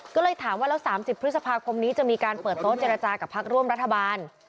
ก็เลยถามว่าแล้ว๓๐พฤษภาคมนี้จะมีการเปิดโต๊ะเจรจากับพักร่วมรัฐบาล